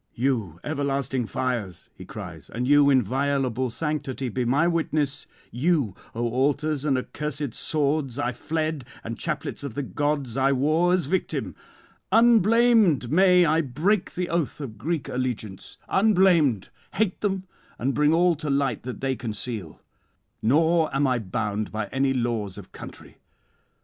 "You, everlasting fires," he cries, "and your inviolable sanctity be my witness; you, O altars and accursed swords I fled, and chaplets of the gods I wore as victim! unblamed may I break the oath of Greek allegiance, unblamed hate them and bring all to light that they [159 191]conceal; nor am I bound by any laws of country.